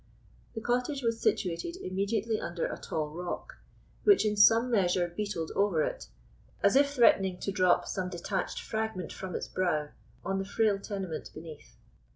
The cottage was situated immediately under a tall rock, which in some measure beetled over it, as if threatening to drop some detached fragment from its brow on the frail tenement beneath.